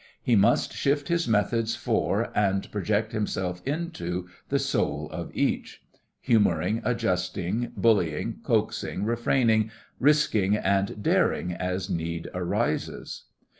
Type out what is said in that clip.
He must shift his methods for, and project himself into the soul of, each; humouring, adjusting, bullying, coaxing, refraining, risking, and daring as need arises.